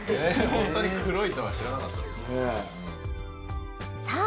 ホントに黒いとは知らなかったですさあ